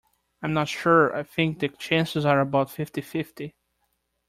I'm not sure; I think the chances are about fifty-fifty